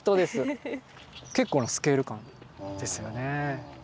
結構なスケール感ですよね。